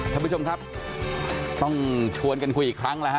ท่านผู้ชมครับต้องชวนกันคุยอีกครั้งแล้วฮะ